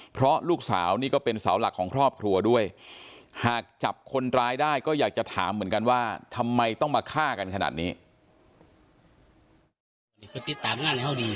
เพราะลูกสาวนี่ก็เป็นเสาหลักของครอบครัวด้วยหากจับคนร้ายได้ก็อยากจะถามเหมือนกันว่าทำไมต้องมาฆ่ากันขนาดนี้